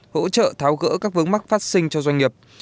hỗ trợ tháo gỡ các vướng mắc phát sinh cho doanh nghiệp